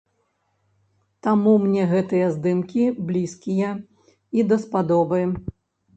Таму мне гэтыя здымкі блізкія і даспадобы.